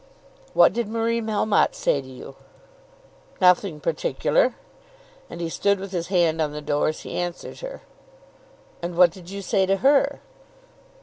"What did Marie Melmotte say to you?" "Nothing particular." And he stood with his hand on the door as he answered her. "And what did you say to her?"